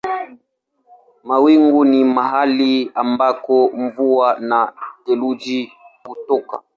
Mawingu ni mahali ambako mvua na theluji hutoka.